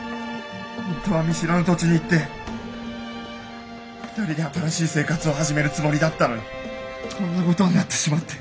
本当は見知らぬ土地に行って２人で新しい生活を始めるつもりだったのにこんな事になってしまって。